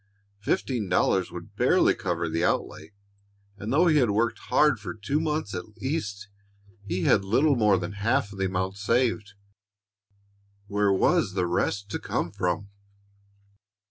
Fifteen dollars would barely cover the outlay; and though he had worked hard for two months at least, he had little more than half of the amount saved. Where was the rest to come from?